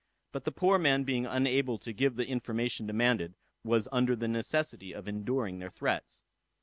But the poor man being unable to give the information demanded, was under the necessity of enduring their threats.